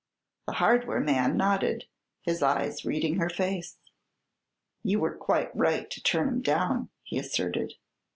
The hardware man nodded, his eyes reading her face. "You were quite right to turn him down," he asserted.